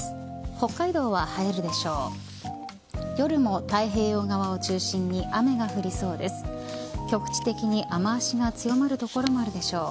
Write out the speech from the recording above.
北海道は晴れるでしょう。